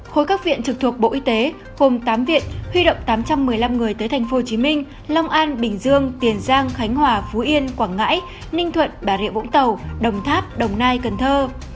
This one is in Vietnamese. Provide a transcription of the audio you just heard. khối các viện trực thuộc bộ y tế gồm tám viện huy động tám trăm một mươi năm người tới tp hcm long an bình dương tiền giang khánh hòa phú yên quảng ngãi ninh thuận bà rịa vũng tàu đồng tháp đồng nai cần thơ